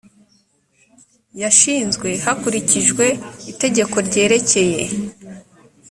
yashinzwe hakurikijwe itegeko ryerekeye